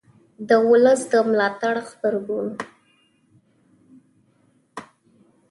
د ولس د ملاتړ غبرګون